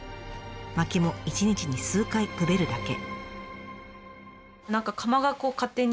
薪も一日に数回くべるだけ。